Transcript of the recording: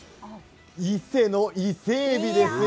伊勢の伊勢えびですよ。